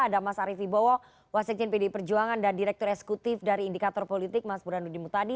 ada mas arief ibowo wasekjen pdi perjuangan dan direktur eksekutif dari indikator politik mas burhanuddin mutadi